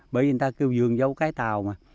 bởi vì người ta cứ vườn dâu cái tàu mà